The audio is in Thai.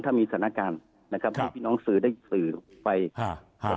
ถ้ามีสถานการณ์นะครับให้พี่น้องสื่อได้สื่อไปอ่า